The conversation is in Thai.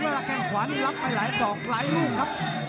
แล้วก็แข้งขวานรับไปหลายปลอกหลายลูกครับ